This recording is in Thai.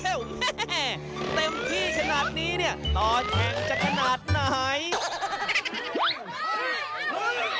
เฮ่เฮ่เต็มที่ขนาดนี้ต่อแข่งจะขนาดไหน